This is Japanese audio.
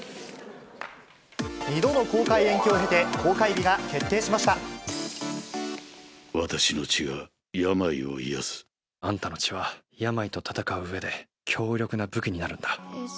２度の公開延期を経て、私の血が病を癒やす。あんたの血は病と闘ううえで、強力な武器になるんだ。